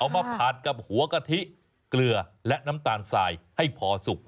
มาผัดกับหัวกะทิเกลือและน้ำตาลสายให้พอสุก